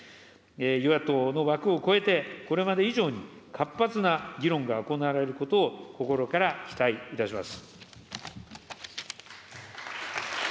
与野党の枠を超えて、これまで以上に活発な議論が行われることを心から期待いたします。